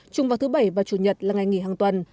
chung vào thứ bảy và chủ nhật là ngày nghỉ hàng tuần